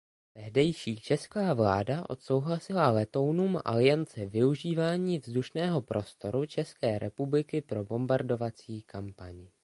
Tehdejší česká vláda odsouhlasila letounům aliance využívání vzdušného prostoru České republiky pro bombardovací kampaň.